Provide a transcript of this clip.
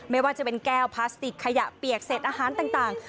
ไม่ว่าจะเป็นแก้วพลาสติกขยะเปียกเศษอาหารต่าง